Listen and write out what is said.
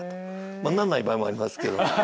まあなんない場合もありますけど。